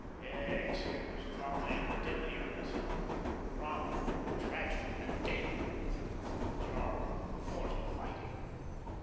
Yes, here was drama in deadly earnest drama and tragedy and death, and the jar of mortal fighting.